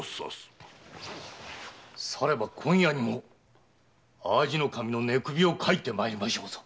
されば今夜にも淡路守の寝首を掻いてまいりましょうぞ。